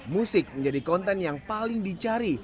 musik menjadi konten yang paling dicari